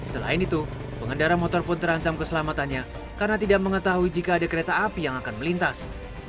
selain itu pengendara motor pun terancam keselamatannya karena tidak mengetahui jika ada kereta api yang akan melintas